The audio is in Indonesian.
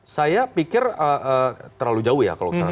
saya pikir terlalu jauh ya kalau saya